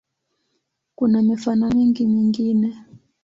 Kuna mifano mingi mingine.